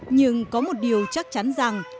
nhưng có một điều chắc chắn rằng